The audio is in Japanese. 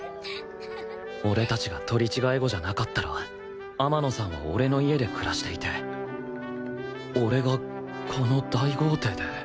俺たちが取り違え子じゃなかったら天野さんは俺の家で暮らしていて俺がこの大豪邸で